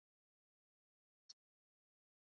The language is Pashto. هغه د یرغل کولو فرصت نه لري.